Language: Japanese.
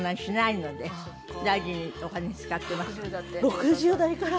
６０代から。